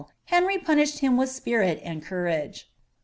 Henry punished him with spirit and caang».